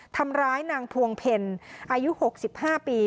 ทำร้ายนางทวงเพียนอายุหกสิบห้าปี